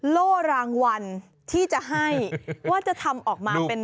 โล่รางวัลที่จะให้ว่าจะทำออกมาเป็น